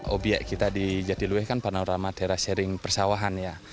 objek kita di jatiluwe kan panorama terasering persawahan ya